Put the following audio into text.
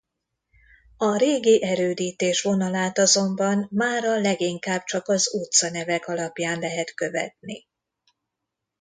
A régi erődítés vonalát azonban mára leginkább csak az utcanevek alapján lehet követni.